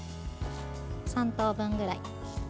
３等分ぐらい。